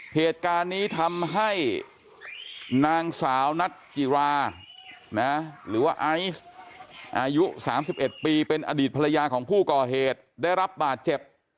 เหตุการณ์นี้ทำให้นางสาวนัทจิราหรือว่าไอซ์อายุ๓๑ปีเป็นอดีตภรรยาของผู้ก่อเหตุได้รับบาดเจ็บ